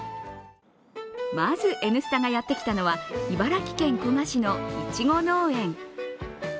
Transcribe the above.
まず「Ｎスタ」がやってきたのは、茨城県古河市のいちご農園。